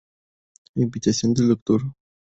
A invitación del Dr.